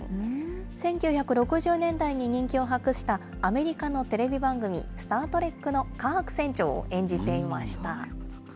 １９６０年代に人気を博したアメリカのテレビ番組、スタートレックのカーク船長を演じていました。